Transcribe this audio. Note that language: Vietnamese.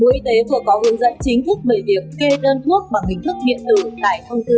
bộ y tế vừa có hướng dẫn chính thức về việc kê đơn thuốc bằng hình thức điện tử tại thông tư hai mươi bảy